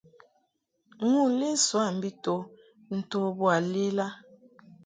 Nu lesoa mbi to nto boa lela.